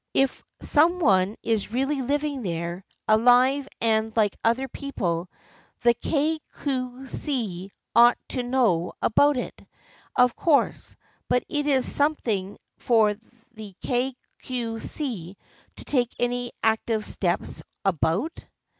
" If some one is really living there, alive and like other people, the Kay Cue See ought to know about it, of course, but is it something for the Kay Cue See to take any active steps about